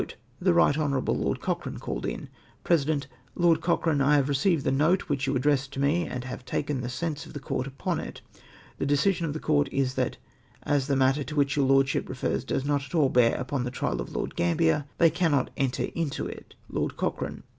The Eight Honourable Lord Cochrane called in. President. —" Lord Cochrane, I have received the note which you addressed to me, and have taken the sense of the Court upon it. The decision of the Court is, that as the matter to which your lordship refers does not at all hear tcpon tlte trial of Lord Gamhler they cannot enter into it:' Lord Cochrane.